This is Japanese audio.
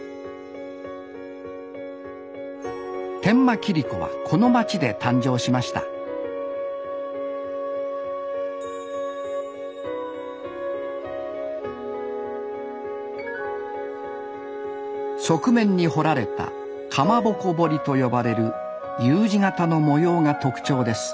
天満切子はこの町で誕生しました側面に彫られた蒲鉾彫りと呼ばれるＵ字形の模様が特徴です。